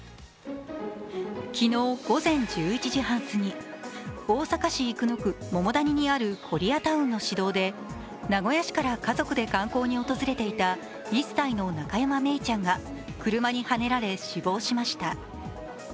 昨日午前１１時半すぎ大阪市生野区桃谷にあるコリアタウンの市道で名古屋市から家族で観光に訪れていた１歳の中山愛李ちゃんが車にはねられ死亡しました。